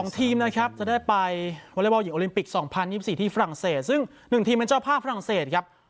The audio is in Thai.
๒ทีมนะครับจะได้ไปวอเล็กบอลหญิงโอลิมปิก๒๐๒๔ที่ฝรั่งเศสซึ่ง๑ทีมเป็นเจ้าภาพฝรั่งเศสครับ